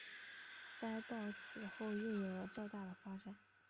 该报此后又有了较大发展。